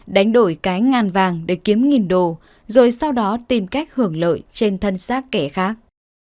đánh đổi cái ngàn vàng để kiếm nghìn đồ rồi sau đó tìm cách hưởng lợi trên thân xác kẻ khác